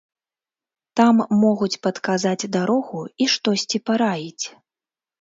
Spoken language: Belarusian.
Там могуць падказаць дарогу і штосьці параіць.